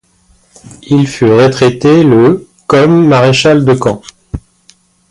Il fut retraité le comme maréchal de camp.